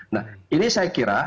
nah ini saya kira